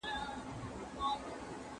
ستونزي د ژوند برخه دي.